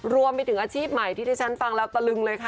รวมไปถึงอาชีพใหม่ที่ที่ฉันฟังแล้วตะลึงเลยค่ะ